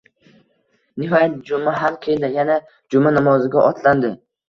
Nihoyat, juma ham keldi, yana juma namoziga otlandi